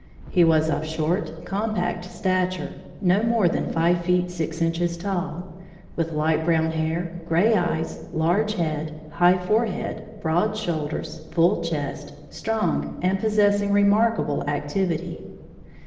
He was of short, compact stature, no more than five feet, six inches tall, with light brown hair, gray eyes, large head, high forehead, broad shoulders, full chest, strong and possessing remarkable activity.